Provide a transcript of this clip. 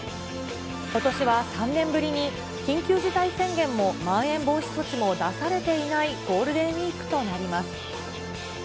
ことしは３年ぶりに、緊急事態宣言も、まん延防止措置も出されていないゴールデンウィークとなります。